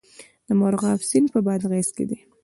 د مرغاب سیند په بادغیس کې دی